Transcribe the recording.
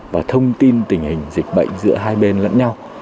và thông tin tình hình dịch bệnh giữa hai bên lẫn nhau